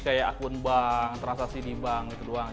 kayak akun bank transaksi di bank gitu doang